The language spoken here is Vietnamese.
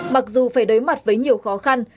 mặc dù phải đối mặt với nhiều khó khăn